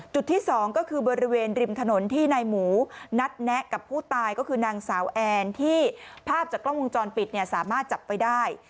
จุดที่๒ก็คือบริเวณริมถนนที่นายหมูนัดแนะกับผู้ตายก็คือนางสาวแอนที่ภาพจากกล้องวงจรปิดเนี่ยสามารถจับไปได้